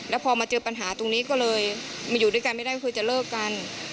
แล้วพอมาเจอปัญหาตรงนี้ก็เลยมาอยู่ด้วยกันไม่ได้ก็คือจะเลิกกัน